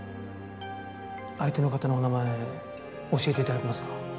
相手の方のお名前教えて頂けますか？